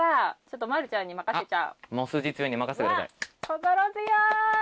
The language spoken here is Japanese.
心強い！